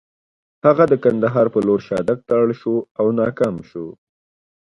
هغه د کندهار په لور شاتګ ته اړ شو او ناکام شو.